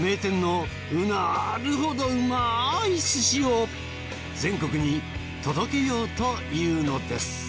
名店のうなるほどうまい寿司を全国に届けようというのです。